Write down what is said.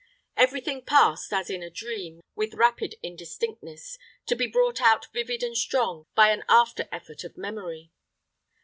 Every thing passed, as in a dream, with rapid indistinctness, to be brought out vivid and strong by an after effort of memory.